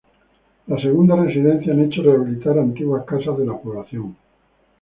Las segundas residencias han hecho rehabilitar antiguas casas de la población.